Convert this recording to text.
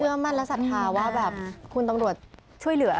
มั่นและศรัทธาว่าแบบคุณตำรวจช่วยเหลือ